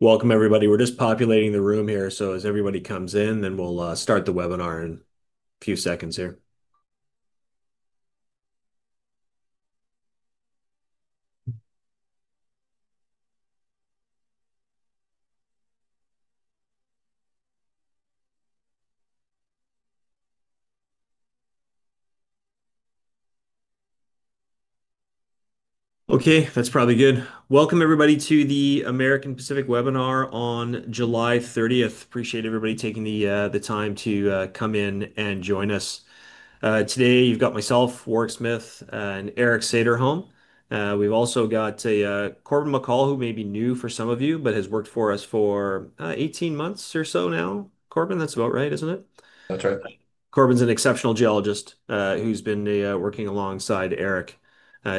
Welcome everybody. We're just populating the room here. As everybody comes in, we'll start the webinar in a few seconds here. Okay, that's probably good. Welcome everybody to the American Pacific webinar on July 30th. Appreciate everybody taking the time to come in and join us. Today you've got myself, Warwick Smith, and Eric Sederholm. We've also got Korbon McCall, who may be new for some of you, but has worked for us for 18 months or so now. Korbon, that's about right, isn't it? That's right. Korbon's an exceptional geologist who's been working alongside Eric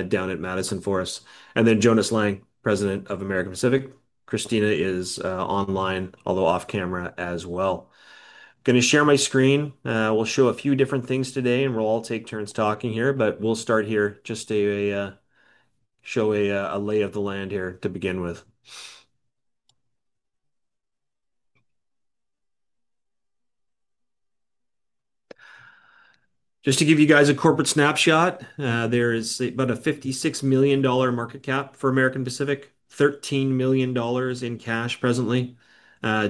down at Madison for us. Joness Lang, President of American Pacific. Christina is online, although off camera as well. I'm going to share my screen. We'll show a few different things today, and we'll all take turns talking here, but we'll start here just to show a lay of the land here to begin with. Just to give you guys a corporate snapshot, there is about a $56 million market cap for American Pacific. $13 million in cash presently.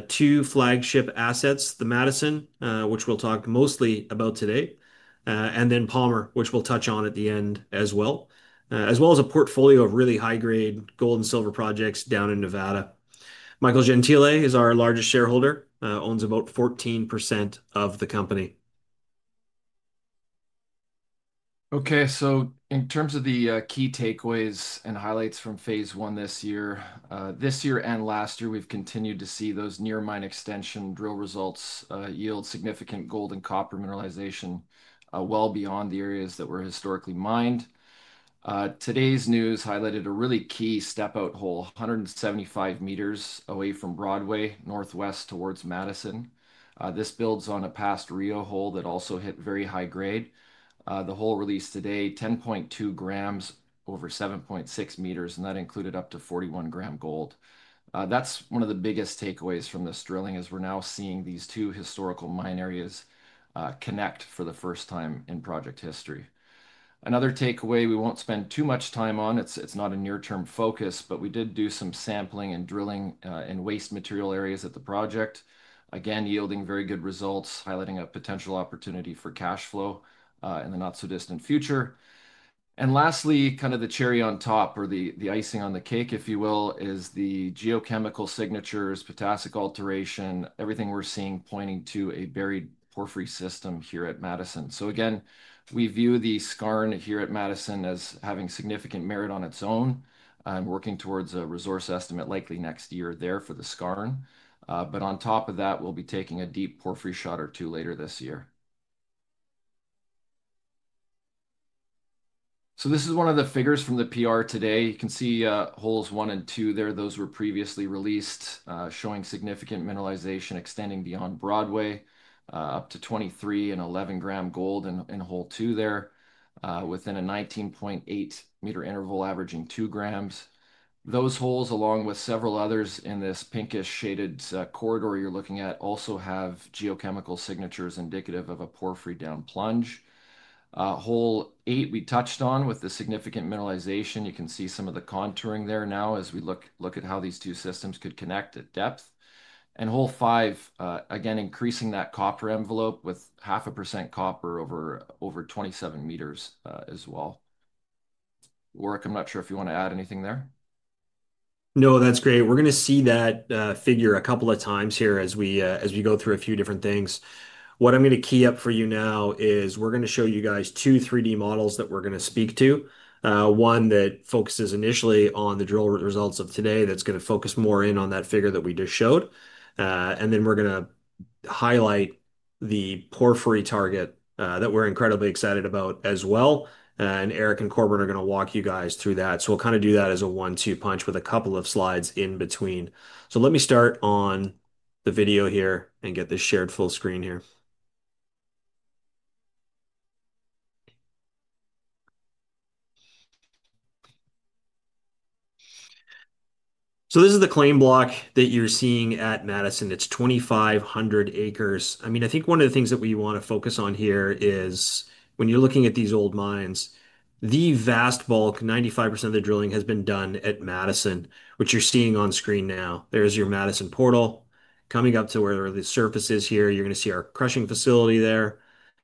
Two flagship assets, the Madison, which we'll talk mostly about today, and then Palmer, which we'll touch on at the end as well, as well as a portfolio of really high-grade gold and silver projects down in Nevada. Michael Gentile is our largest shareholder, owns about 14% of the company. Okay, so in terms of the key takeaways and highlights from phase one this year, this year and last year, we've continued to see those near mine extension drill results yield significant gold and copper mineralization well beyond the areas that were historically mined. Today's news highlighted a really key step-out hole, 175 m away from Broadway, northwest towards Madison. This builds on a past Rio hole that also hit very high grade. The hole released today, 10.2 g over 7.6 m, and that included up to 41 gr gold. That's one of the biggest takeaways from this drilling as we're now seeing these two historical mine areas connect for the first time in project history. Another takeaway we won't spend too much time on, it's not a near-term focus, but we did do some sampling and drilling in waste material areas at the project, again yielding very good results, highlighting a potential opportunity for cash flow in the not-so-distant future. Lastly, kind of the cherry on top or the icing on the cake, if you will, is the geochemical signatures, potassic alteration, everything we're seeing pointing to a buried porphyry system here at Madison. We view the skarn here at Madison as having significant merit on its own and working towards a resource estimate likely next year there for the skarn. On top of that, we'll be taking a deep porphyry shot or two later this year. This is one of the figures from the press release today. You can see holes one and two there. Those were previously released, showing significant mineralization extending beyond Broadway, up to 23 and 11 g gold in hole two there, within a 19.8 m interval averaging 2 g. Those holes, along with several others in this pinkish shaded corridor you're looking at, also have geochemical signatures indicative of a porphyry down plunge. Hole eight we touched on with the significant mineralization. You can see some of the contouring there now as we look at how these two systems could connect at depth. Hole five, again, increasing that copper envelope with 0.5% copper over 27 m as well. Warwick, I'm not sure if you want to add anything there. No, that's great. We're going to see that figure a couple of times here as we go through a few different things. What I'm going to key up for you now is we're going to show you guys two 3D models that we're going to speak to. One that focuses initially on the drill results of today that's going to focus more in on that figure that we just showed. We're going to highlight the porphyry target that we're incredibly excited about as well. Eric and Korbon are going to walk you guys through that. We'll kind of do that as a one-two punch with a couple of slides in between. Let me start on the video here and get this shared full screen here. This is the claim block that you're seeing at Madison. It's 2,500 acres. I think one of the things that we want to focus on here is when you're looking at these old mines, the vast bulk, 95% of the drilling has been done at Madison, which you're seeing on screen now. There's your Madison portal coming up to where the surface is here. You're going to see our crushing facility there.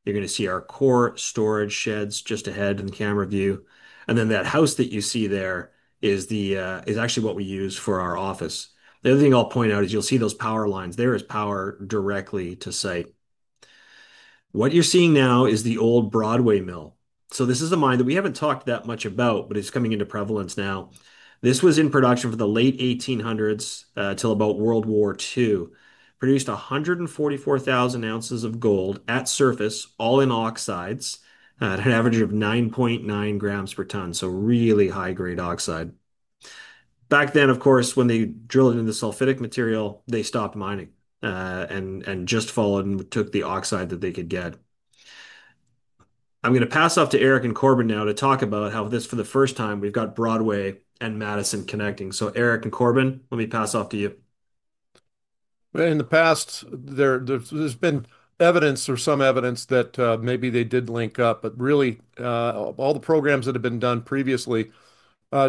You're going to see our core storage sheds just ahead in camera view. That house that you see there is actually what we use for our office. The other thing I'll point out is you'll see those power lines. There is power directly to site. What you're seeing now is the old Broadway mill. This is a mine that we haven't talked that much about, but it's coming into prevalence now. This was in production from the late 1800s till about World War II. Produced 144,000 oz of gold at surface, all in oxides, at an average of 9.9 g per ton. Really high-grade oxide. Back then, of course, when they drilled into the sulfitic material, they stopped mining and just followed and took the oxide that they could get. I'm going to pass off to Eric and Korbon now to talk about how this, for the first time, we've got Broadway and Madison connecting. Eric and Korbon, let me pass off to you. In the past, there's been evidence or some evidence that maybe they did link up, but really all the programs that have been done previously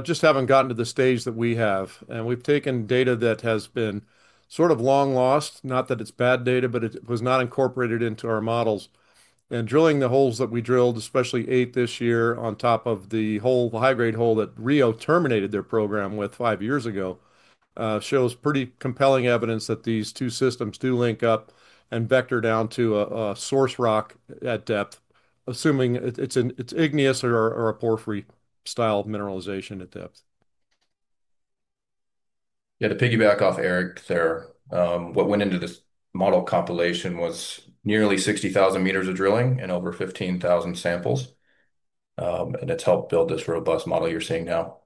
just haven't gotten to the stage that we have. We've taken data that has been sort of long lost, not that it's bad data, but it was not incorporated into our models. Drilling the holes that we drilled, especially eight this year on top of the hole, the high-grade hole that Rio terminated their program with five years ago, shows pretty compelling evidence that these two systems do link up and vector down to a source rock at depth, assuming it's igneous or a porphyry style of mineralization at depth. Yeah, to piggyback off Eric there, what went into this model compilation was nearly 60,000 m of drilling and over 15,000 samples. It's helped build this robust model you're seeing now.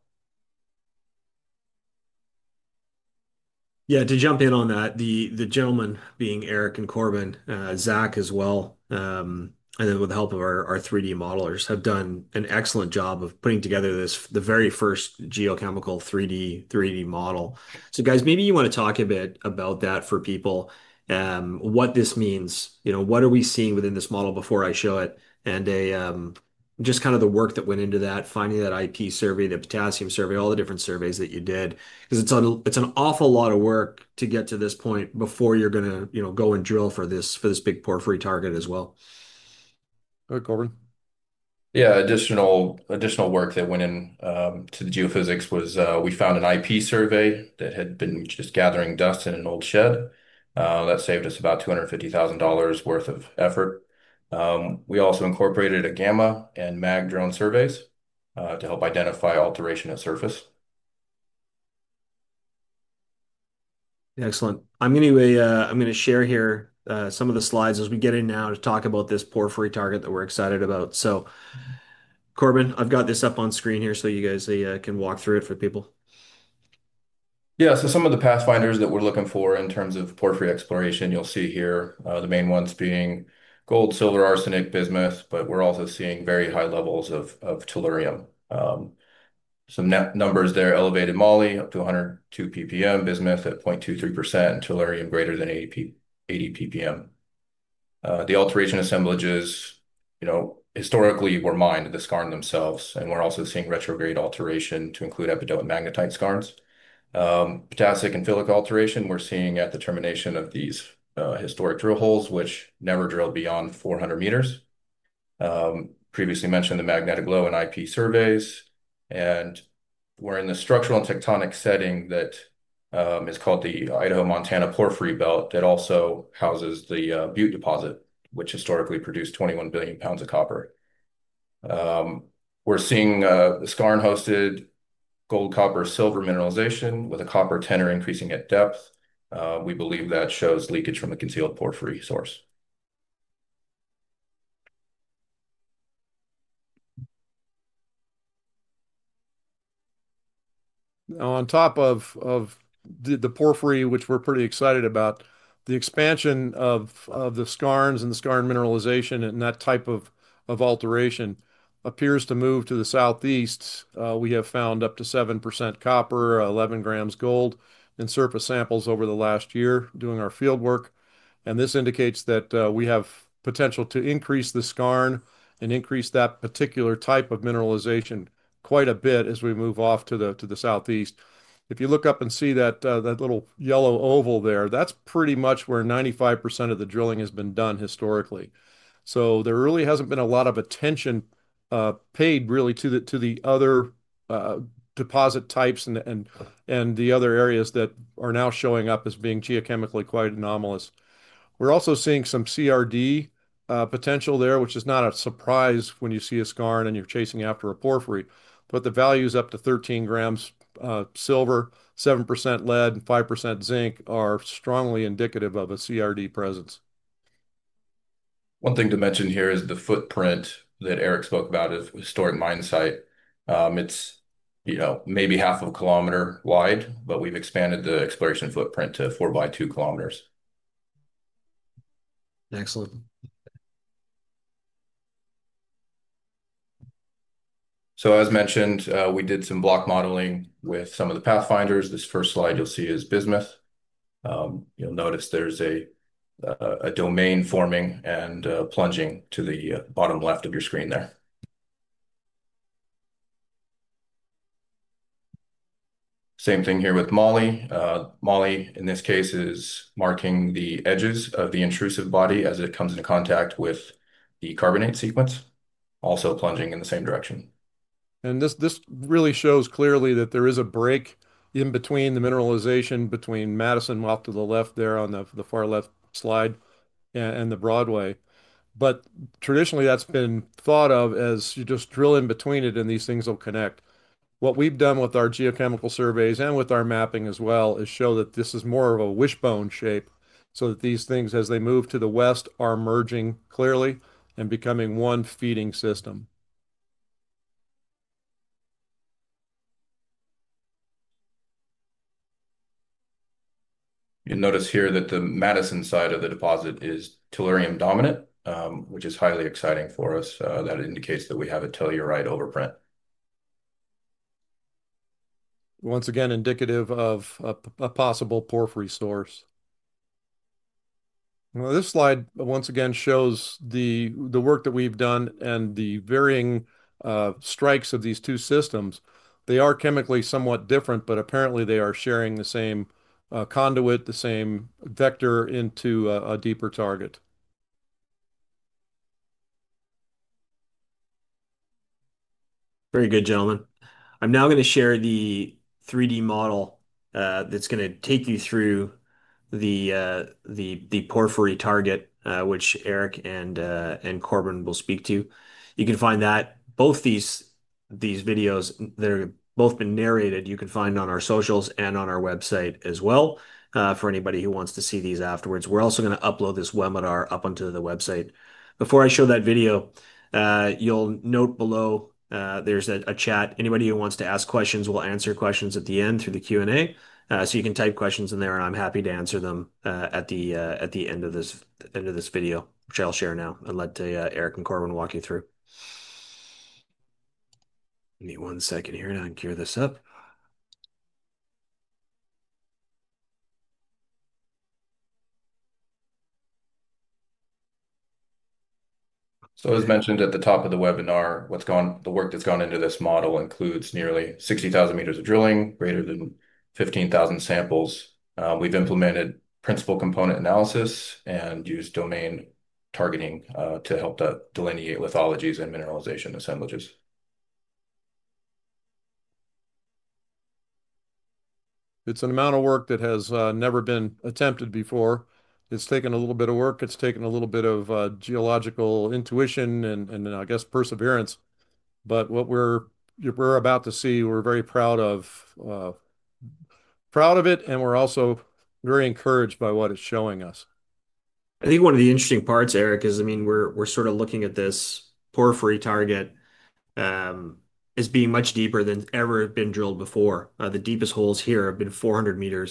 Yeah, to jump in on that, the gentlemen being Eric and Korbon, Zach as well, and then with the help of our 3D modelers have done an excellent job of putting together the very first geochemical 3D model. Guys, maybe you want to talk a bit about that for people, what this means. What are we seeing within this model before I show it? Just kind of the work that went into that, finding that IP survey and the potassium survey, all the different surveys that you did, because it's an awful lot of work to get to this point before you're going to go and drill for this big porphyry copper-gold target as well. All right, Korbon. Additional work that went into the geophysics was we found an IP survey that had been just gathering dust in an old shed. That saved us about $250,000 worth of effort. We also incorporated a gamma and mag drone surveys to help identify alteration at surface. Excellent. I'm going to share here some of the slides as we get in now to talk about this porphyry copper-gold target that we're excited about. Korbon, I've got this up on screen here so you guys can walk through it for people. Yeah, some of the pathfinders that we're looking for in terms of porphyry exploration, you'll see here the main ones being gold, silver, arsenic, bismuth, but we're also seeing very high levels of tellurium. Some numbers there, elevated moly up to 102 ppm, bismuth at 0.23%, and tellurium greater than 80 ppm. The alteration assemblages, historically were mined in the skarn themselves, and we're also seeing retrograde alteration to include epidote magnetite skarns. Potassic and phyllic alteration we're seeing at the termination of these historic drill holes, which never drilled beyond 400 m. Previously mentioned the magnetic low and IP surveys, and we're in the structural and tectonic setting that is called the Idaho-Montana Porphyry Belt that also houses the Butte deposit, which historically produced 21 billion lb of copper. We're seeing skarn-hosted gold-copper-silver mineralization with a copper tenor increasing at depth. We believe that shows leakage from a concealed porphyry source. Now, on top of the porphyry, which we're pretty excited about, the expansion of the skarns and the skarn mineralization and that type of alteration appears to move to the southeast. We have found up to 7% copper, 11 g gold in surface samples over the last year doing our field work. This indicates that we have potential to increase the skarn and increase that particular type of mineralization quite a bit as we move off to the southeast. If you look up and see that little yellow oval there, that's pretty much where 95% of the drilling has been done historically. There really hasn't been a lot of attention paid to the other deposit types and the other areas that are now showing up as being geochemically quite anomalous. We're also seeing some CRD potential there, which is not a surprise when you see a skarn and you're chasing after a porphyry. The values up to 13 g silver, 7% lead, and 5% zinc are strongly indicative of a CRD presence. One thing to mention here is the footprint that Eric spoke about, a historic mine site. It's maybe 0.5 km wide, but we've expanded the exploration footprint to four by 2 km. Excellent. As mentioned, we did some block modeling with some of the geochemical pathfinders. This first slide you'll see is bismuth. You'll notice there's a domain forming and plunging to the bottom left of your screen there. Same thing here with moly. Moly, in this case, is marking the edges of the intrusive body as it comes in contact with the carbonate sequence, also plunging in the same direction. This really shows clearly that there is a break in between the mineralization between Madison, off to the left there on the far left slide, and the Broadway. Traditionally, that's been thought of as you just drill in between it and these things will connect. What we've done with our geochemical surveys and with our mapping as well is show that this is more of a wishbone shape so that these things, as they move to the west, are merging clearly and becoming one feeding system. You'll notice here that the Madison side of the deposit is tellurium dominant, which is highly exciting for us. That indicates that we have a tellurium overprint. Once again, indicative of a possible porphyry source. This slide, once again, shows the work that we've done and the varying strikes of these two systems. They are chemically somewhat different, but apparently they are sharing the same conduit, the same vector into a deeper target. Very good, gentlemen. I'm now going to share the 3D model that's going to take you through the porphyry target, which Eric and Korbon will speak to. You can find that both these videos that have both been narrated, you can find on our socials and on our website as well for anybody who wants to see these afterwards. We're also going to upload this webinar up onto the website. Before I show that video, you'll note below there's a chat. Anybody who wants to ask questions will answer questions at the end through the Q&A. You can type questions in there, and I'm happy to answer them at the end of this video, which I'll share now and let Eric and Korbon walk you through. Give me one second here to un-gear this up. As mentioned at the top of the webinar, the work that's gone into this model includes nearly 60,000 m of drilling, greater than 15,000 samples. We've implemented principal component analysis and used domain targeting to help delineate lithologies and mineralization assemblages. It's an amount of work that has never been attempted before. It's taken a little bit of work, a little bit of geological intuition, and I guess perseverance. What we're about to see, we're very proud of it, and we're also very encouraged by what it's showing us. I think one of the interesting parts, Eric, is I mean we're sort of looking at this porphyry target as being much deeper than it's ever been drilled before. The deepest holes here have been 400 m.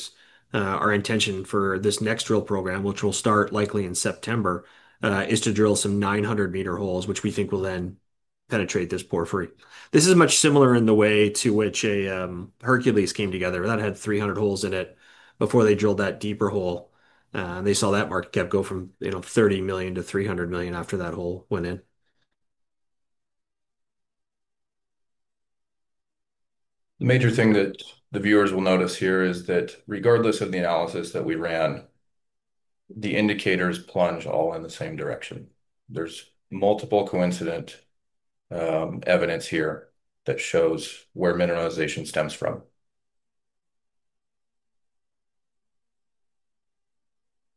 Our intention for this next drill program, which will start likely in September, is to drill some 900 m holes, which we think will then penetrate this porphyry. This is much similar in the way to which a Hercules came together that had 300 holes in it before they drilled that deeper hole. They saw that market cap go from $30 million-$300 million after that hole went in. The major thing that the viewers will notice here is that regardless of the analysis that we ran, the indicators plunge all in the same direction. There's multiple coincident evidence here that shows where mineralization stems from.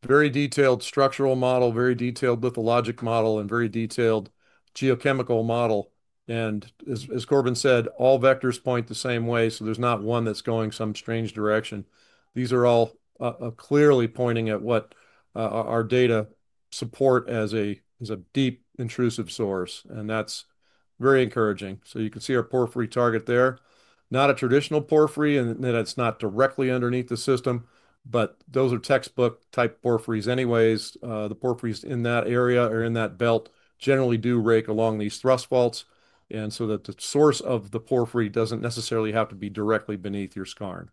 Very detailed structural model, very detailed lithologic model, and very detailed geochemical model. As Korbon said, all vectors point the same way, so there's not one that's going some strange direction. These are all clearly pointing at what our data supports as a deep intrusive source, and that's very encouraging. You can see our porphyry target there. Not a traditional porphyry, and it's not directly underneath the system, but those are textbook type porphyries anyways. The porphyries in that area or in that belt generally do rake along these thrust faults, and the source of the porphyry doesn't necessarily have to be directly beneath your skarn.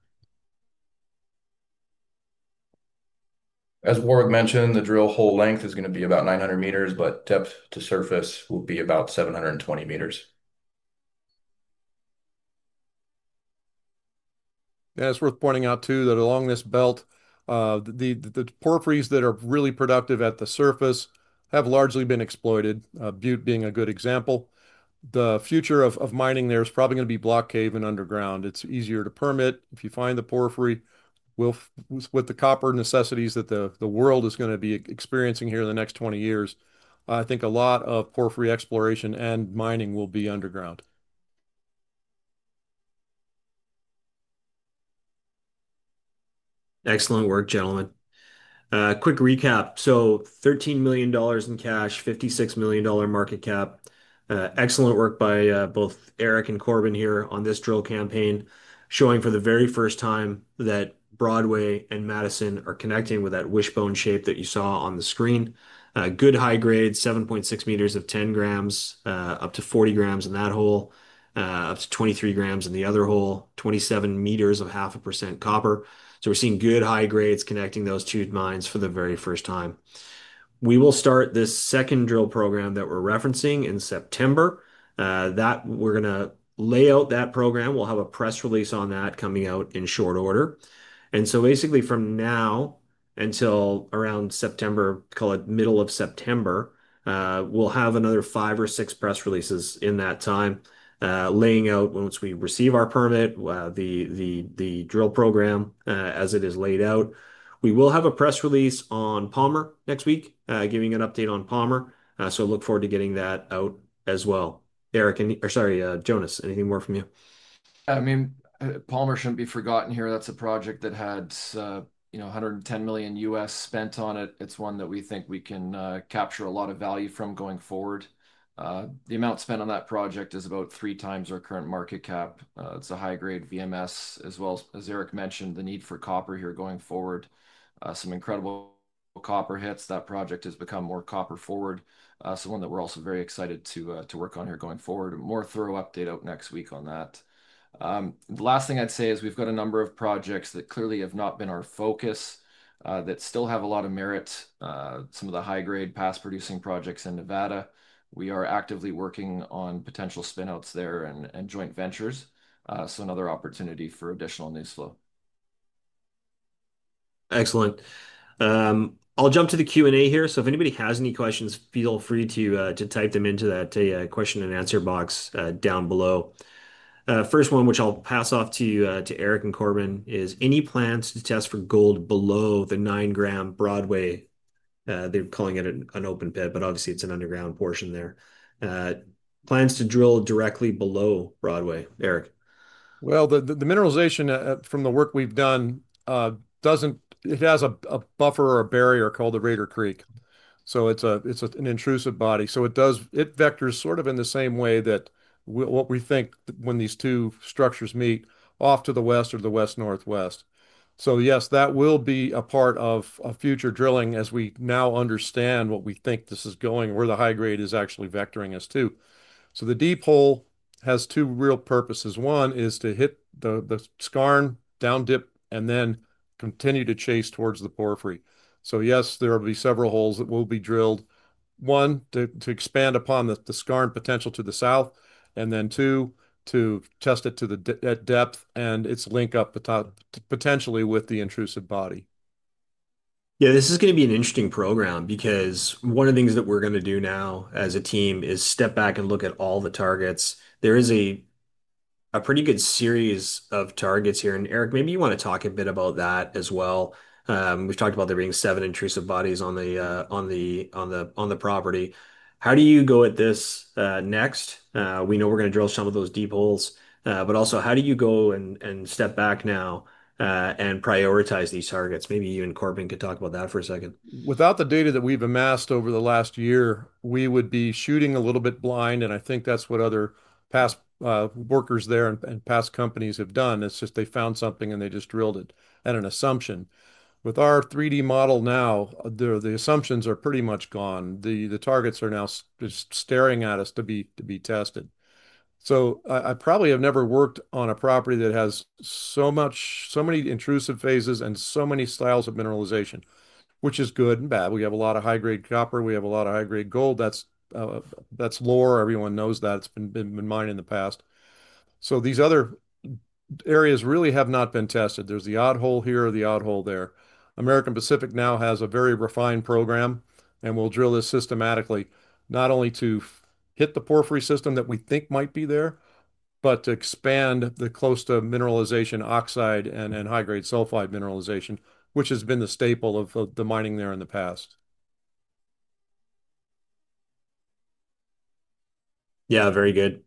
As Warwick mentioned, the drill hole length is going to be about 900 m, but depth to surface will be about 720 m. Yeah, it's worth pointing out too that along this belt, the porphyries that are really productive at the surface have largely been exploited, with Butte being a good example. The future of mining there is probably going to be block cave and underground. It's easier to permit. If you find the porphyry, with the copper necessities that the world is going to be experiencing here in the next 20 years, I think a lot of porphyry exploration and mining will be underground. Excellent work, gentlemen. Quick recap. So $13 million in cash, $56 million market cap. Excellent work by both Eric and Korbon here on this drill campaign, showing for the very first time that Broadway and Madison are connecting with that wishbone shape that you saw on the screen. Good high grade, 7.6 m of 10 g, up to 40 g in that hole, up to 23 g in the other hole, 27 m of 0.5% copper. We're seeing good high grades connecting those two mines for the very first time. We will start this second drill program that we're referencing in September. We're going to lay out that program. We'll have a press release on that coming out in short order. Basically from now until around September, call it middle of September, we'll have another five or six press releases in that time, laying out once we receive our permit, the drill program as it is laid out. We will have a press release on Palmer next week, giving an update on Palmer. Look forward to getting that out as well. Eric, or sorry, Joness, anything more from you? Palmer shouldn't be forgotten here. That's a project that had $110 million U.S. spent on it. It's one that we think we can capture a lot of value from going forward. The amount spent on that project is about 3x our current market capitalization. It's a high-grade VMS, as well as Eric mentioned, the need for copper here going forward. Some incredible copper hits. That project has become more copper forward. One that we're also very excited to work on here going forward. More thorough update out next week on that. The last thing I'd say is we've got a number of projects that clearly have not been our focus, that still have a lot of merit. Some of the high-grade past-producing projects in Nevada. We are actively working on potential spinouts there and joint ventures. Another opportunity for additional news flow. Excellent. I'll jump to the Q&A here. If anybody has any questions, feel free to type them into that question and answer box down below. First one, which I'll pass off to Eric and Korbon, is any plans to test for gold below the 9 g Broadway? They're calling it an open pit, but obviously it's an underground portion there. Plans to drill directly below Broadway, Eric. The mineralization from the work we've done doesn't, it has a buffer or a barrier called the Reager Creek. It's an intrusive body. It vectors sort of in the same way that what we think when these two structures meet off to the west or the west-northwest. Yes, that will be a part of future drilling as we now understand what we think this is going where the high grade is actually vectoring us to. The deep hole has two real purposes. One is to hit the skarn, down dip, and then continue to chase towards the porphyry. Yes, there will be several holes that will be drilled. One, to expand upon the skarn potential to the south, and then two, to test it to that depth and its link up potentially with the intrusive body. Yeah, this is going to be an interesting program because one of the things that we're going to do now as a team is step back and look at all the targets. There is a pretty good series of targets here. Eric, maybe you want to talk a bit about that as well. We've talked about there being seven intrusive bodies on the property. How do you go at this next? We know we're going to drill some of those deep holes, but also how do you go and step back now and prioritize these targets? Maybe you and Korbon could talk about that for a second. Without the data that we've amassed over the last year, we would be shooting a little bit blind, and I think that's what other past workers there and past companies have done. They found something and they just drilled it at an assumption. With our 3D model now, the assumptions are pretty much gone. The targets are now just staring at us to be tested. I probably have never worked on a property that has so much, so many intrusive phases and so many styles of mineralization, which is good and bad. We have a lot of high-grade copper. We have a lot of high-grade gold. That's lore. Everyone knows that. It's been mined in the past. These other areas really have not been tested. There's the odd hole here, the odd hole there. American Pacific now has a very refined program and will drill this systematically, not only to hit the porphyry system that we think might be there, but to expand the close to mineralization oxide and high-grade sulfide mineralization, which has been the staple of the mining there in the past. Yeah, very good.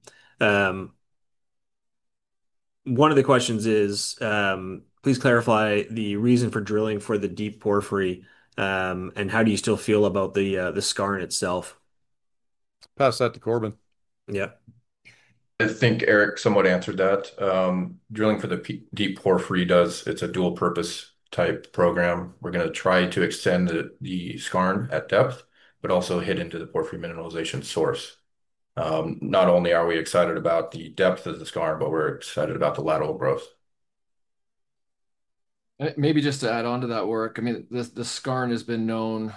One of the questions is, please clarify the reason for drilling for the deep porphyry and how do you still feel about the skarn itself? Pass that to Korbon. Yeah. I think Eric somewhat answered that. Drilling for the deep porphyry does, it's a dual-purpose type program. We're going to try to extend the skarn at depth, but also hit into the porphyry mineralization source. Not only are we excited about the depth of the skarn, we're excited about the lateral growth. Maybe just to add on to that, Warwick, I mean, the skarn has been known.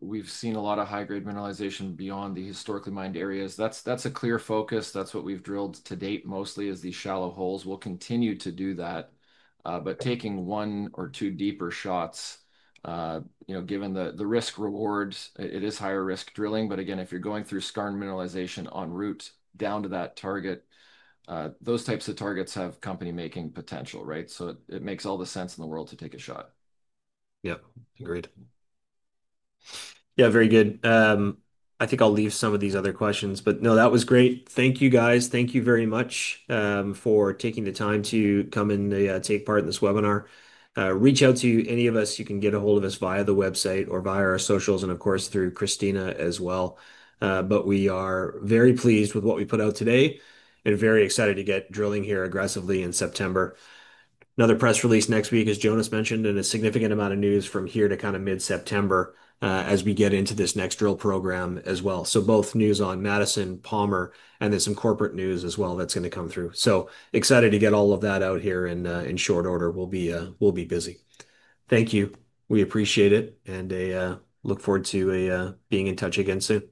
We've seen a lot of high-grade mineralization beyond the historically mined areas. That's a clear focus. That's what we've drilled to date mostly is these shallow holes. We'll continue to do that. Taking one or two deeper shots, given the risk-rewards, it is higher risk drilling. Again, if you're going through skarn mineralization en route down to that target, those types of targets have company-making potential, right? It makes all the sense in the world to take a shot. Yeah, agreed. Yeah, very good. I think I'll leave some of these other questions, but no, that was great. Thank you guys. Thank you very much for taking the time to come in and take part in this webinar. Reach out to any of us. You can get a hold of us via the website or via our socials and of course through Christina as well. We are very pleased with what we put out today and very excited to get drilling here aggressively in September. Another press release next week, as Joness mentioned, and a significant amount of news from here to kind of mid-September as we get into this next drill program as well. Both news on Madison, Palmer, and then some corporate news as well that's going to come through. Excited to get all of that out here in short order. We'll be busy. Thank you. We appreciate it and look forward to being in touch again soon.